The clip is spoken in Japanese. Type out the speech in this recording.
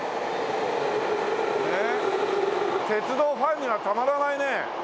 鉄道ファンにはたまらないね。